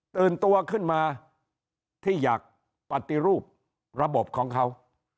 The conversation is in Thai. ตื่นตัวขึ้นมาที่อยากปฏิรูประบบของเขา